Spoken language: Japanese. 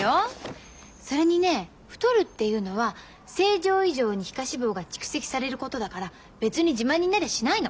それにね太るっていうのは正常以上に皮下脂肪が蓄積されることだから別に自慢になりゃしないの。